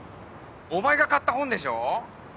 お前が買った本でしょ！